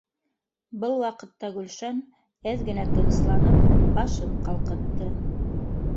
Был ваҡытта Гөлшан, әҙ генә тынысланып, башын ҡалҡытты